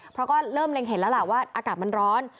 เพราะก็เริ่มเล็งเห็นแล้วล่ะว่าอากาศมันร้อน